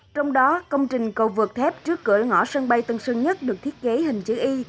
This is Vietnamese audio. trong đó công trình cầu vượt thép trước cửa ngõ sân bay tân sơn nhất được thiết kế hình chữ y